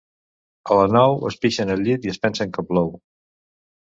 A la Nou es pixen al llit i es pensen que plou.